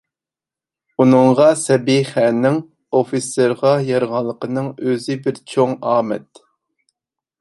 ئۇنىڭغا سەبىخەنىڭ ئوفىتسېرغا يارىغانلىقىنىڭ ئۆزى بىر چوڭ ئامەت.